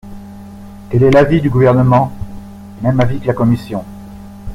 Quel est l’avis du Gouvernement ? Même avis que la commission.